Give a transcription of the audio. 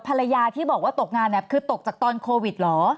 ภรรยาที่บอกว่าตกงานเนี่ยคือตกจากตอนโควิดเหรอ